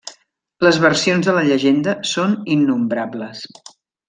Les versions de la llegenda són innombrables.